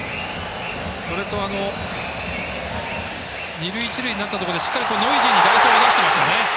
二塁一塁になったところでしっかりとノイジーに代走を出していましたね。